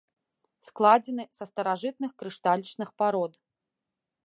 Складзены са старажытных крышталічных парод.